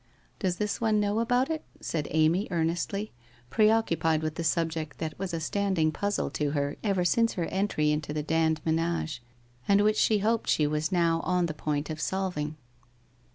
' Does this one know about it ?' said Amy earnestly, preoccupied with the subject that was a standing puzzle to her ever since her entry into the Dand menage, and which she hoped she was now on the point of solving.